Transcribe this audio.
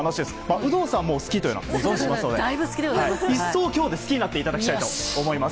有働さんも好きというのはご存じですが一層、今日で好きになっていただきたいと思います。